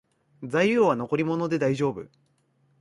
材料は残り物でだいじょうぶ